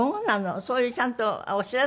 そういうちゃんとお知らせがあるのね。